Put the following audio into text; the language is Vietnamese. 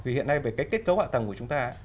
vì hiện nay về cái kết cấu hạ tầng của chúng ta